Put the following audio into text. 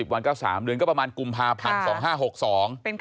วันก็๓เดือนก็ประมาณกุมภาพันธ์๒๕๖๒